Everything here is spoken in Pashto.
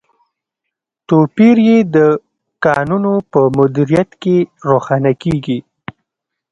توپیر یې د کانونو په مدیریت کې روښانه کیږي.